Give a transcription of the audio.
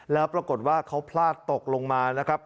แล้วปรากฏว่าเขาพลาดตกลงมานะครับ